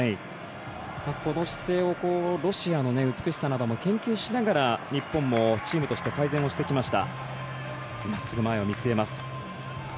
この姿勢をロシアの美しさなども研究しながら日本もチームとして改善をしてきました。